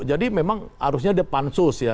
jadi memang harusnya dia pansus ya